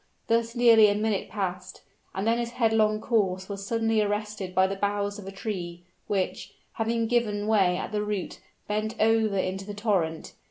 Thus nearly a minute passed; and then his headlong course was suddenly arrested by the boughs of a tree, which, having given way at the root, bent over into the torrent.